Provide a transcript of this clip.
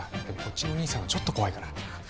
でもこっちのお兄さんはちょっと怖いから。